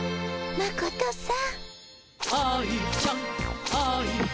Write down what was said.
マコトさん。